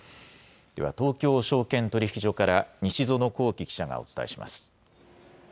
では東京証券取引所から西園興起記者がお伝えします。